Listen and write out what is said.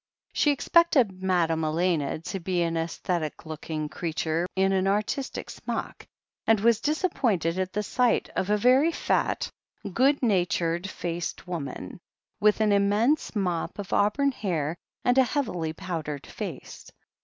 She expected Madame Elena to be an aesthetic looking creature in an artistic smock, and was dis appointed at the sight of a very fat, good natured faced woman, with an immense mop of auburn hair and a heavily powdered face.